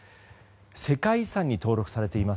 世界遺産に登録されています